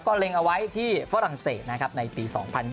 เล็งเอาไว้ที่ฝรั่งเศสนะครับในปี๒๐๒๐